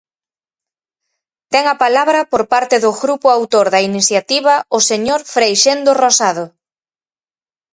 Ten a palabra, por parte do grupo autor da iniciativa, o señor Freixendo Rozado.